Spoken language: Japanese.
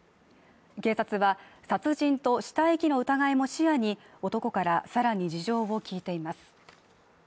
警察は、殺人と死体遺棄の疑いも視野に、男からさらに事情を聞いています。